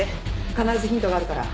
必ずヒントがあるから。